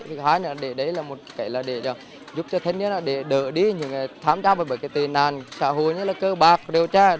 thứ hai là để giúp cho thân nhân đỡ đi những thám chào và tình nàn xã hội như cơ bạc điều tra